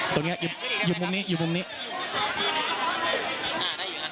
ตรงนี้อยู่มุมนี้อยู่มุมนี้